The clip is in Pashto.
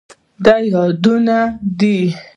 د يادونې ده،